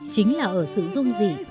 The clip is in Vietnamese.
chính là ở sự dung dị